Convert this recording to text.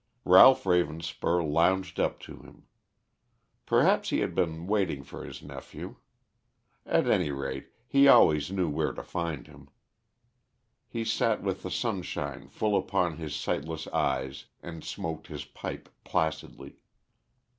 Ralph Ravenspur lounged up to him. Perhaps he had been waiting for his nephew. At any rate, he always knew where to find him. He sat with the sunshine full upon his sightless eyes and smoked his pipe placidly.